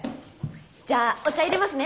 じゃあお茶いれますね。